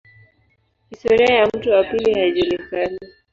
Historia ya mto wa pili haijulikani.